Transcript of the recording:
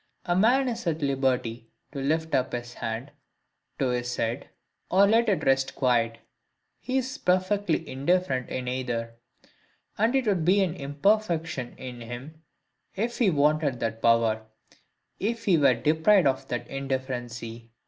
A man is at liberty to lift up his hand to his head, or let it rest quiet: he is perfectly indifferent in either; and it would be an imperfection in him, if he wanted that power, if he were deprived of that indifferency.